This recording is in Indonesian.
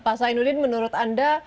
pak sainudin menurut anda